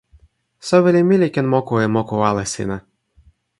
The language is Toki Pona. soweli mi li ken moku e moku ale sina.